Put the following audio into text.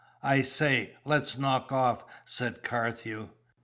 "I say, let's knock off," said Carthew.